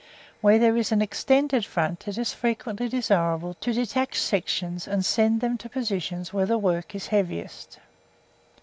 Where there is an extended front, it is frequently desirable to detach sections and send them to positions where the work is heaviest.